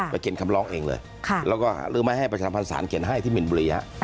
ไปเก็นคำลองเองเลยแล้วก็ไม่ให้ประชาธิภัณฑ์ศาลเก็นให้ที่หมินบุรีฮะ